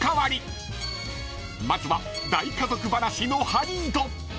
［まずは大家族話のハリード］